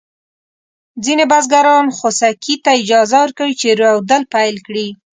ځینې بزګران خوسکي ته اجازه ورکوي چې رودل پيل کړي.